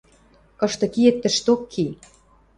Кышты киэт, тӹшток ки...